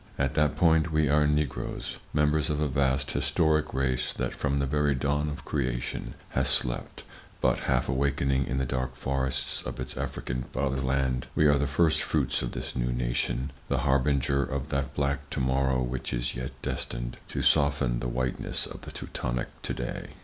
At that point, we are Negroes, members of a vast historic race that from the very dawn of creation has slept, but half awakening in the dark forests of its African fatherland. We are the first fruits of this new nation, the harbinger of that black to morrow which is yet destined to soften the whiteness of the Teutonic to day.